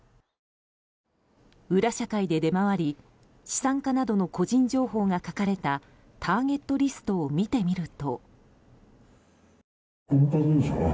裏社会で出回り、資産家などの個人情報が書かれたターゲットリストを見てみると。